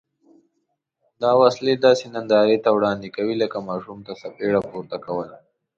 دا وسلې داسې نندارې ته وړاندې کوي لکه ماشوم ته څپېړه پورته کول.